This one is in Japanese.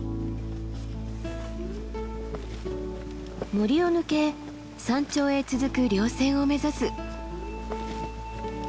森を抜け山頂へ続く稜線を目指す。